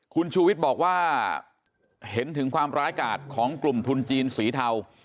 คุณชูวิทย์บอกว่าเห็นถึงความร้ายกาดของกลุ่มทุนจีนสีเทา